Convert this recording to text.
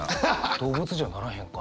動物じゃならへんか。